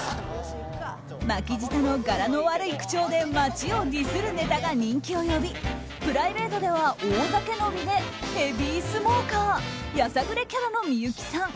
巻き舌のガラの悪い口調で街をディスるネタが人気を呼びプライベートでは大酒飲みでヘビースモーカー。やさぐれキャラの幸さん。